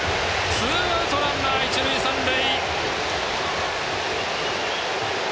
ツーアウト、ランナー、一塁三塁。